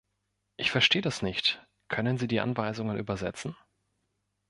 Ich verstehe das nicht; können Sie die Anweisungen übersetzen?